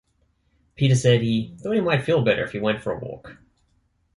Peter said he thought he might feel better if he went for a walk.